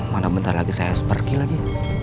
mana bentar lagi saya pergi lagi